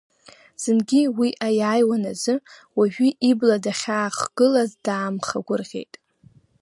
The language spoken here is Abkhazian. Зынгьы уи аиааиуан азы, уажәы ибла дахьаахгылаз даамхагәырӷьеит.